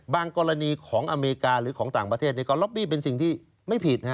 กรณีของอเมริกาหรือของต่างประเทศก็ล็อบบี้เป็นสิ่งที่ไม่ผิด